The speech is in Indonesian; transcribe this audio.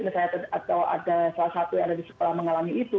misalnya atau ada salah satu yang ada di sekolah mengalami itu